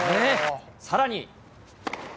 さらに。